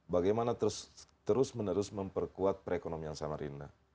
bagaimana terus menerus memperkuat perekonomian samarinda